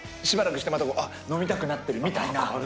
しばらくしてまた飲みたくなってるみたいな。